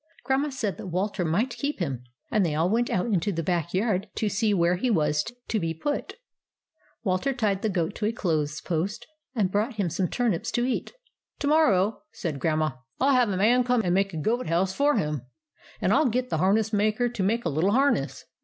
Grandma said that Walter might keep him, and they all went out into the back yard to see where he was to WALTER AND THE GOAT 85 be put. Walter tied the goat to a clothes post, and brought him some turnips to eat. " To morrow," said Grandma, " I '11 have a man come and make a goat house for him ; and I '11 get the harness maker to make a little harness.